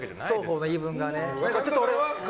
双方の言い分がね。